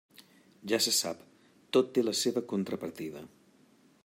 Ja se sap, tot té la seva contrapartida.